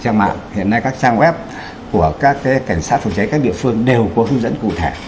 trang mạng hiện nay các trang web của các cảnh sát phòng cháy các địa phương đều có hướng dẫn cụ thể